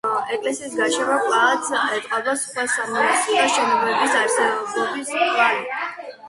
ეკლესიის გარშემო, კვლავაც ეტყობა სხვა სამონასტრო შენობების არსებობის კვალი.